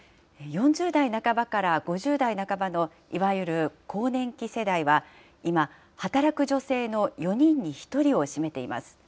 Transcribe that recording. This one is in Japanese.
４０代半ばから５０代半ばのいわゆる更年期世代は、今、働く女性の４人に１人を占めています。